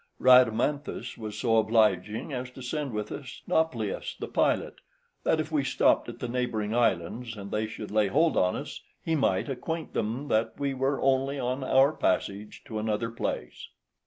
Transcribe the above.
Rhadamanthus was so obliging as to send with us Nauplius the pilot, that, if we stopped at the neighbouring islands, and they should lay hold on us, he might acquaint them that we were only on our passage to another place.